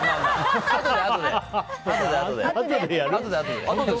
あとであとで。